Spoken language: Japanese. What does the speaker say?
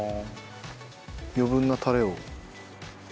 余分なタレを。